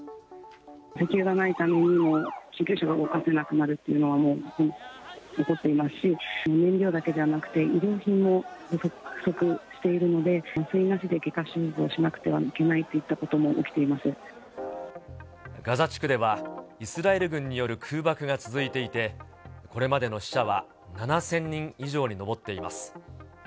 石油がないために救急車が動かせなくなるっていうのは、もう本当に起こっていますし、燃料だけではなくて、医療品も不足しているので、麻酔なしで外科手術をしなくてはいけないといったことも起きていガザ地区ではイスラエル軍による空爆が続いていて、これまでの死者は７０００人以上に上っています。